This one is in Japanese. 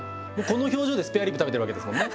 この表情でスペアリブ食べてるわけですもんね？